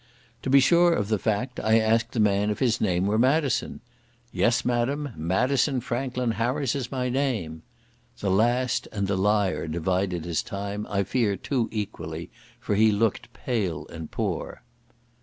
To be sure of the fact, I asked the man if his name were Madison. "Yes, Madam, Madison Franklin Harris is my name." The last and the lyre divided his time, I fear too equally, for he looked pale and poor.